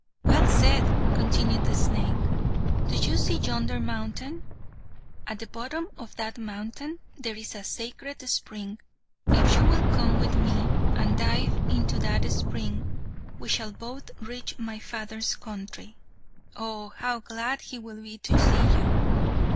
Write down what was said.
"Well said!" continued the snake. "Do you see yonder mountain? At the bottom of that mountain there is a sacred spring. If you will come with me and dive into that spring, we shall both reach my father's country. Oh! how glad he will be to see you!